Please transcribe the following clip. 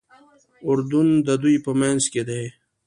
اردن د دوی په منځ کې دی.